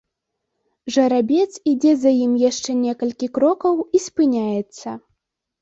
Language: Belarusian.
Жарабец ідзе за ім яшчэ некалькі крокаў і спыняецца.